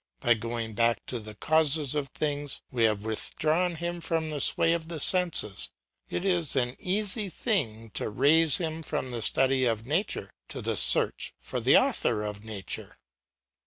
By going back to the causes of things, we have withdrawn him from the sway of the senses; it is an easy thing to raise him from the study of nature to the search for the author of nature.